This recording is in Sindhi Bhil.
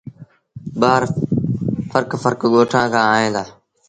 ٻآر ڦرڪ ڦرڪ ڳوٺآݩ کآݩ ائيٚݩ دآ۔